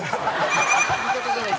言い方じゃない。